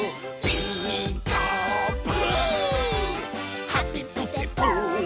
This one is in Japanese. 「ピーカーブ！」